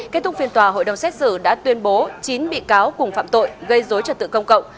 kết thúc phiên tòa hội đồng xét xử đã tuyên bố chín bị cáo cùng phạm tội gây dối trật tự công cộng